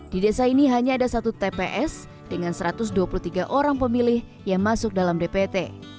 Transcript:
di desa ini hanya ada satu tps dengan satu ratus dua puluh tiga orang pemilih yang masuk dalam dpt